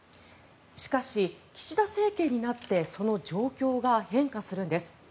しかし、岸田政権になってその状況が変化するんです。